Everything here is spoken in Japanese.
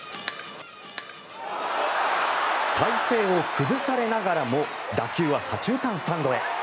体勢を崩されながらも打球は左中間スタンドへ。